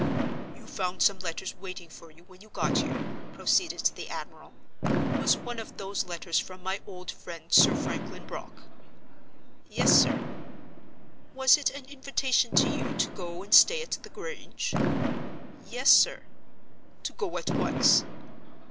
"You found some letters waiting for you when you got here," proceeded the admiral. "Was one of those letters from my old friend, Sir Franklin Brock?" "Yes, sir." "Was it an invitation to you to go and stay at the Grange?" "Yes, sir." "To go at once?"